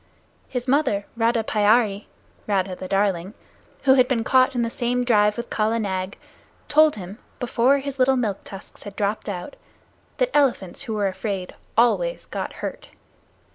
His mother Radha Pyari, Radha the darling, who had been caught in the same drive with Kala Nag, told him, before his little milk tusks had dropped out, that elephants who were afraid always got hurt.